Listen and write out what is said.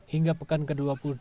hingga pekan ke dua puluh delapan